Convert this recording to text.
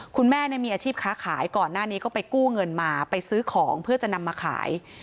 คุณแม่มีอาชีพค้าขายก่อนหน้านี้ก็ไปกู้เงินมาไปซื้อของเพื่อจะนำมาขาย